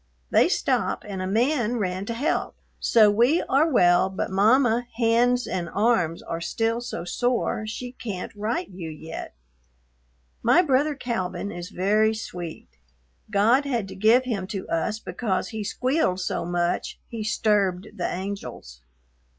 they stop and a man ran to help so we are well but mama hands and arms are still so sore she cant write you yet. My brother Calvin is very sweet. God had to give him to us because he squealed so much he sturbed the angels.